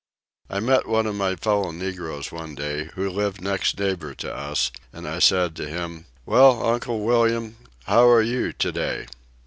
I met one of my fellow negroes one day, who lived next neighbor to us, and I said to him, "Well, Uncle William, how are you, to day?"